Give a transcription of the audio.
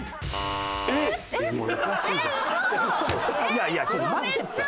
いやいやちょっと待ってって。